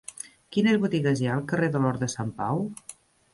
Quines botigues hi ha al carrer de l'Hort de Sant Pau?